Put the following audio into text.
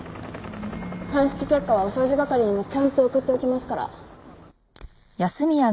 鑑識結果はお掃除係にもちゃんと送っておきますから。